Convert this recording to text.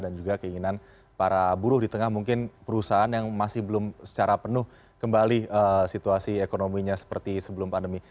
dan juga keinginan para buruh di tengah mungkin perusahaan yang masih belum secara penuh kembali situasi ekonominya seperti sebelum pandemi